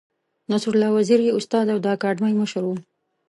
نصرالله وزیر یې استاد او د اکاډمۍ مشر و.